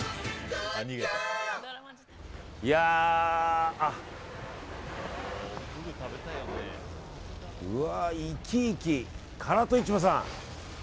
いやー、うわ活きいき唐戸市場さん。